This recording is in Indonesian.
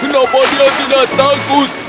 kenapa dia tidak takut